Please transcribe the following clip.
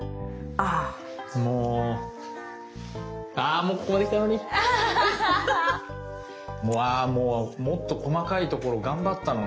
ああもうもっと細かいところ頑張ったのに。